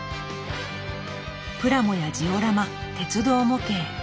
プラモやジオラマ鉄道模型。